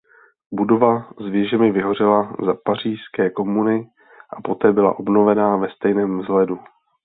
Budova s věžemi vyhořela za Pařížské komuny a poté byla obnovena ve stejném vzhledu.